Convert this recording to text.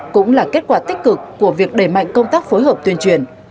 cũng là kết quả tích cực của việc đẩy mạnh công tác phối hợp tuyên truyền